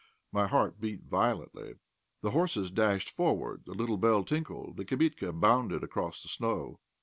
My heart beat violently. The horses dashed forward, the little bell tinkled, the "kibitka," bounded across the snow.